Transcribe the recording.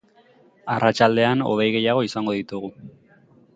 Arratsaldean, hodei gehiago izango ditugu.